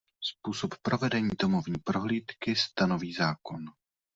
Způsob provedení domovní prohlídky stanoví zákon.